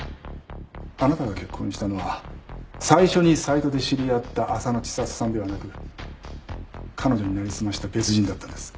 あなたが結婚したのは最初にサイトで知り合った浅野知里さんではなく彼女になりすました別人だったんです。